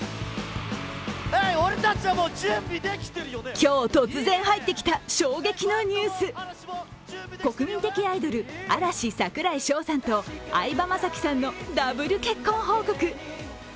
今日、突然入ってきた衝撃のニュース国民的アイドル、嵐・櫻井翔さんと相葉雅紀さんはのダブル結婚報告。